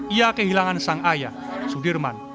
ia kehilangan sang ayah sudirman